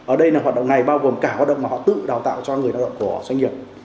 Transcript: ở đây là hoạt động này bao gồm cả hoạt động mà họ tự đào tạo cho người lao động của doanh nghiệp